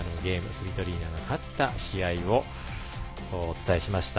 スビトリーナが勝った試合をお伝えしました。